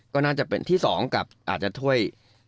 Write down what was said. ก็น่าจะเป็นที่๒กับอาจจะถ้วย